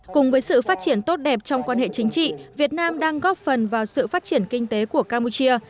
cùng với sự phát triển tốt đẹp trong quan hệ chính trị việt nam đang góp phần vào sự phát triển kinh tế của campuchia